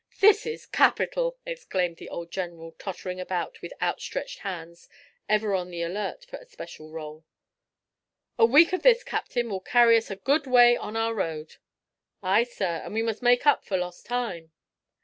"This is capital!" exclaimed the old general, tottering about with out stretched hands, ever on the alert for a special roll. "A week of this, captain, will carry us a good way on our road." "Ay, sir, and we must make up for lost time."